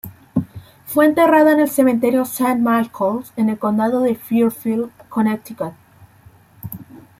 Fue enterrada en el Cementerio Saint Michaels, en el Condado de Fairfield, Connecticut.